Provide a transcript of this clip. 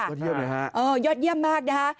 ยอดเยี่ยมเลยฮะเออยอดเยี่ยมมากนะฮะ